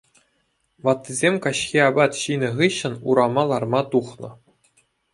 Ваттисем каҫхи апат ҫинӗ хыҫҫӑн урама ларма тухнӑ.